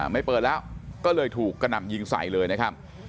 ไม่เปิดแล้วก็เลยถูกกระหน่ำยิงใส่เลยนะครับ